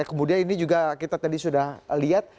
kemudian ini juga kita tadi sudah lihat